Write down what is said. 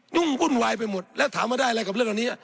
ุ่มวุ่นวายไปหมดแล้วถามว่าได้อะไรกับเรื่องเหล่านี้